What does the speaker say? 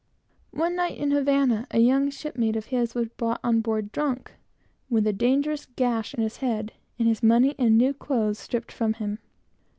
One night, in Havana, a young shipmate of his was brought aboard drunk, with a dangerous gash in his head, and his money and new clothes stripped from him.